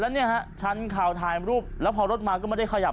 แล้วเนี่ยฮะชั้นข่าวถ่ายรูปแล้วพอรถมาก็ไม่ได้ขยับ